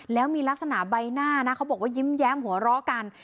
แล้วมีลักษณะใบหน้านะเขาบอกว่ายิ้มแย้มหัวเราะกัน